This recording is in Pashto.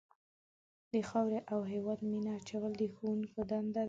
د خاورې او هېواد مینه اچول د ښوونکو دنده ده.